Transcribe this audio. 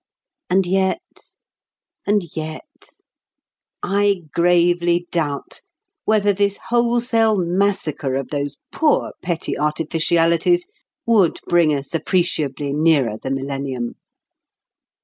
And yet and yet I gravely doubt whether this wholesale massacre of those poor petty artificialities would bring us appreciably nearer the millennium.